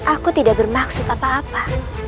aku tidak bermaksud apa apa